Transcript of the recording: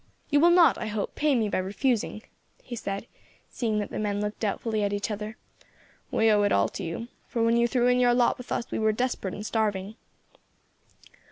You will not, I hope, pain me by refusing," he said, seeing that the men looked doubtfully at each other. "We owe it all to you, for when you threw in your lot with us we were desperate and starving."